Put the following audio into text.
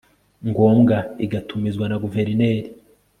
ngombwa igatumizwa na guverineri